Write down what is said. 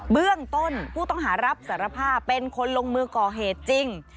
เบื้องต้นผู้ต้องหารับสารภาพเป็นคนลงมือก่อเหตุจริง